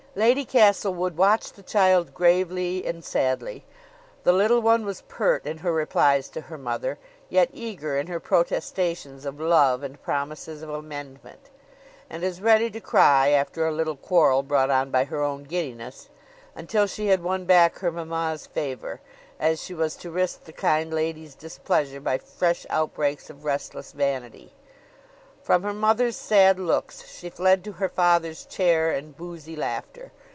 Lady Castlewood watched the child gravely and sadly: the little one was pert in her replies to her mother, yet eager in her protestations of love and promises of amendment; and as ready to cry (after a little quarrel brought on by her own giddiness) until she had won back her mamma's favor, as she was to risk the kind lady's displeasure by fresh outbreaks of restless vanity. From her mother's sad looks she fled to her father's chair and boozy laughter.